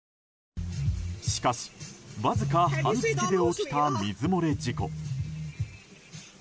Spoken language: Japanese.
しかし、わずか半月で起きた水漏れ事故。